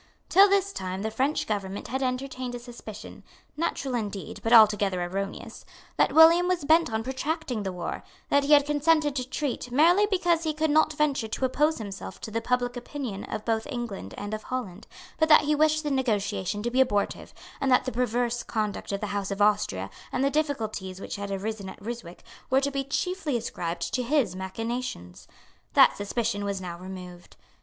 Till this time the French government had entertained a suspicion, natural indeed, but altogether erroneous, that William was bent on protracting the war, that he had consented to treat merely because he could not venture to oppose himself to the public opinion both of England and of Holland, but that he wished the negotiation to be abortive, and that the perverse conduct of the House of Austria and the difficulties which had arisen at Ryswick were to be chiefly ascribed to his machinations. That suspicion was now removed.